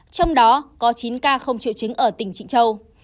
trong đó có chín ca không triệu chứng ở tỉnh trịnh châu